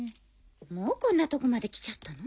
もうこんなとこまで来ちゃったの？